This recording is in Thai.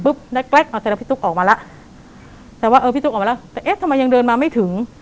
แก๊กเอาแต่ละพี่ตุ๊กออกมาแล้วแต่ว่าเออพี่ตุ๊กออกมาแล้วแต่เอ๊ะทำไมยังเดินมาไม่ถึง